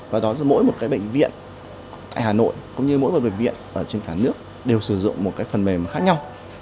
và đó là mỗi một cái bệnh viện tại hà nội cũng như mỗi một bệnh viện trên cả nước đều sử dụng một cái phần mềm khác nhau